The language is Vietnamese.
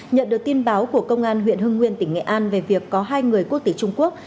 nhận được tin báo của công an huyện hưng nguyên tỉnh nghệ an về việc có hai người quốc tịch trung quốc